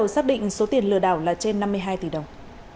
xác định số tiền lừa đảo là trên năm mươi hai tỷ đồng